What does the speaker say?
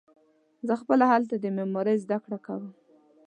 زه خپله هلته د معمارۍ زده کړه کوم.